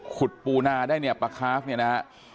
ปูนาได้เนี่ยปลาคาฟเนี่ยนะฮะ